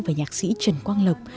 và nhạc sĩ trần quang lộc